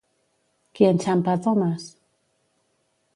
Qui enxampa a Thomas?